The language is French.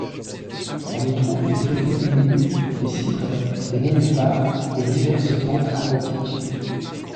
On y trouve des prairies humides, des cyprès, des nénuphars et diverses plantes aquatiques.